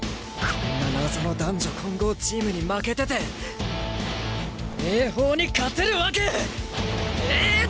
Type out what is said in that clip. こんな謎の男女混合チームに負けてて英邦に勝てるわけねえだろ！